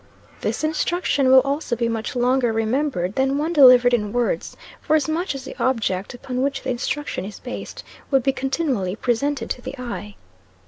This instruction will also be much longer remembered than one delivered in words, forasmuch as the object upon which the instruction is based would be continually presented to the eye.